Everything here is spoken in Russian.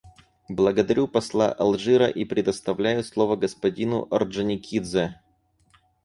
Благодарю посла Алжира и предоставляю слово господину Орджоникидзе.